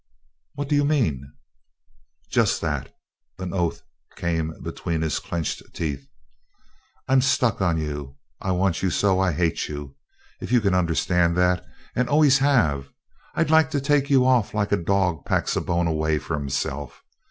"What do you mean?" "Just that." An oath came between his clenched teeth. "I'm stuck on you! I want you so I hate you, if you can understand that and always have. I'd like to take you off like a dog packs a bone away for himself.